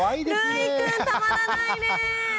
るいくんたまらないね。